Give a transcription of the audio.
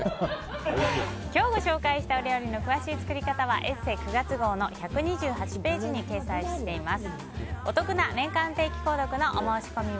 今日ご紹介した料理の詳しい作り方は「ＥＳＳＥ」９月号の１２８ページに掲載しています。